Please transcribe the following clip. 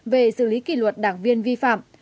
về xử lý kỷ luật đảng viên vi phạm